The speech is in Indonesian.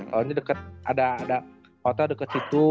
kalo ini deket ada ada kota deket situ